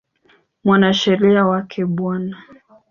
Mwanasheria wake Bw.